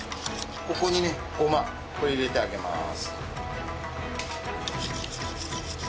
ここにねごまを入れてあげます。